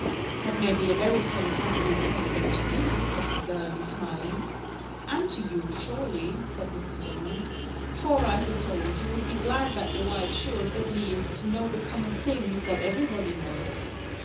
"That may be a very satisfactory prospect to you," said Mr. Hervey, smiling. "And to you, surely," said Mrs. Ormond; "for, I suppose, you would be glad that your wife should, at least, know the common things that every body knows."